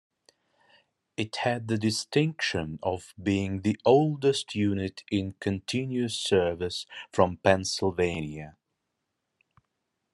It had the distinction of being the oldest unit in continuous service from Pennsylvania.